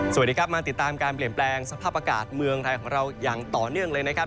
สวัสดีครับมาติดตามการเปลี่ยนแปลงสภาพอากาศเมืองไทยของเราอย่างต่อเนื่องเลยนะครับ